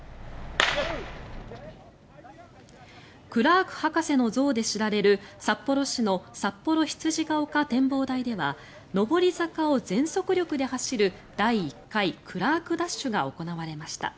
クラーク博士の像で知られる札幌市のさっぽろ羊ヶ丘展望台では上り坂を全速力で走る第１回クラークダッシュが行われました。